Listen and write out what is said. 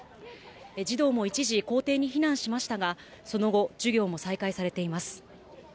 児童も一時、校庭に避難しましたが、その後、授業も再開されています。